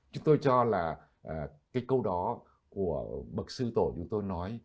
chúng tôi cho là cái câu đó của bậc sư tổ chúng tôi nói